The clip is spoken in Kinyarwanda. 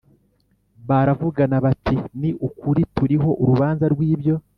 Baravugana bati Ni ukuri turiho urubanza rw ibyo